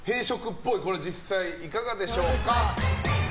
これ実際いかがでしょうか。